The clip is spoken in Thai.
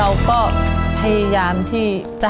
เราก็พยายามที่จะ